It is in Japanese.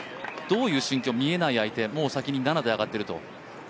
どういう心境、見えない相手、もう先に７で上がってると。